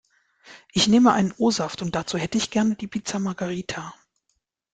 Ich nehme einen O-Saft und dazu hätte ich gerne die Pizza Margherita.